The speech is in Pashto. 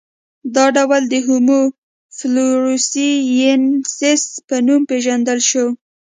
دا ډول د هومو فلورسي ینسیس په نوم پېژندل شو.